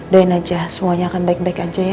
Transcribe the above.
doain aja semuanya akan baik baik aja ya